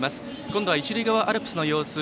今度は一塁側アルプスの様子